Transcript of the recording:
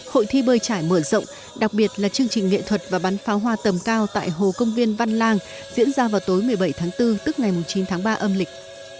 hội thi bơi trải mở rộng đặc biệt là chương trình nghệ thuật và bắn pháo hoa tầm cao tại hồ công viên văn lang diễn ra vào tối một mươi bảy tháng bốn tức ngày chín tháng ba âm lịch